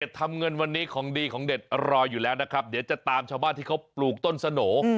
ทำเงินวันนี้ของดีของเด็ดรออยู่แล้วนะครับเดี๋ยวจะตามชาวบ้านที่เขาปลูกต้นสโหน่